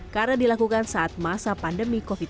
karena dilakukan saat masa pandemi covid sembilan belas